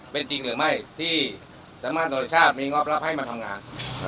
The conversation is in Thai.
เป็นจริงหรือไม่ที่สัตวรรษระยะชาติมีงอบรับให้มาทำงาน